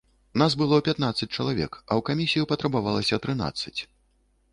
Нас было пятнаццаць чалавек, а ў камісію патрабавалася трынаццаць.